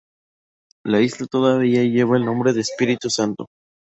La isla todavía lleva el nombre de Espíritu Santo.